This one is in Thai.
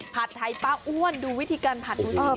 ผัดไทยป้าอ้วนดูวิธีการผัดดูสิ